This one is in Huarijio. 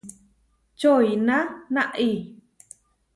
Čoʼiná náʼi.